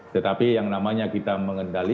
tetapi yang namanya kita mengendali